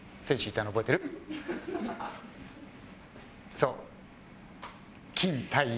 そう。